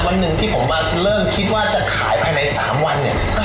วันหนึ่งที่ผมมาเริ่มคิดว่าจะขายภายใน๓วันเนี่ย